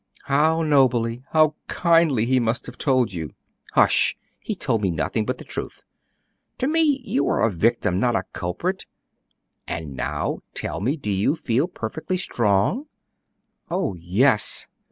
"How nobly, how kindly he must have told you!" "Hush! He told me nothing but the truth. To me you are a victim, not a culprit. And now, tell me, do you feel perfectly strong?" "Oh, yes."